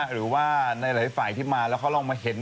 หรือว่าในหลายฝ่ายที่มาแล้วเขาลองมาเห็น